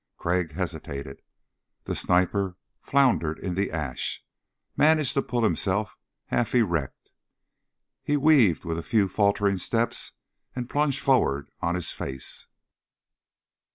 Crag hesitated. The sniper floundered in the ash, managed to pull himself half erect. He weaved with a few faltering steps and plunged forward on his face.